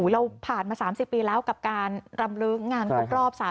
เราผ่านมา๓๐ปีแล้วกับการรำลึกงานครบรอบ๓๐